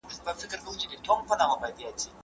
هغه په پوهنتون کي د څيړني د نويو میتودونو په اړه وویل.